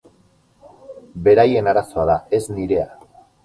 Beraien arazoa da, ez nirea.